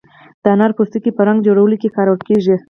د انارو پوستکی په رنګ جوړولو کې کارول کیږي.